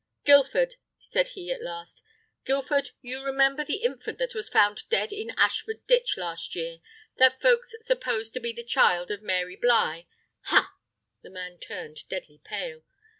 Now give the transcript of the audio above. "Guilford," said he at last, "Guilford, you remember the infant that was found dead in Ashford ditch last year, that folks supposed to be the child of Mary Bly ? ha!" The man turned deadly pale.